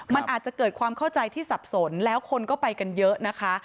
มันอาจจะเกิดความเข้าใจที่สับสนแล้วคนก็ไปกันเยอะนะคะ